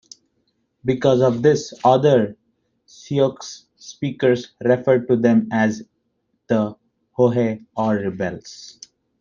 Because of this, other Sioux-speakers referred to them as the "Hohe", or "rebels".